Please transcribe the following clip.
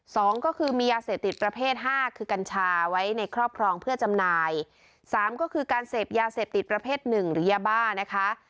สองก็คือมียาเสพติดประเภทห้าคือกัญชาไว้ในครอบครองเพื่อจำหน่ายสามก็คือการเสพยาเสพติดประเภทหนึ่งหรือยาบ้านะคะ